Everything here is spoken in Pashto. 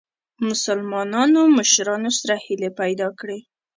مسلمانو مشرانو سره هیلي پیدا کړې.